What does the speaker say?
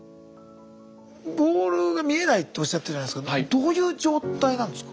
ボールが見えないっておっしゃったじゃないですかどういう状態なんですか？